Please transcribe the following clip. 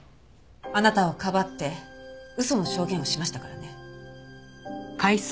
あなたをかばって嘘の証言をしましたからね。